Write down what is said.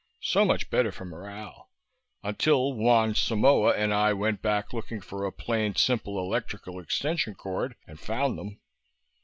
So much better for morale ... until Juan Simoa and I went back looking for a plain, simple electrical extension cord and found them."